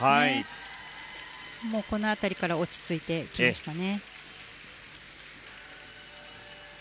この辺りから落ち着いてきましたね。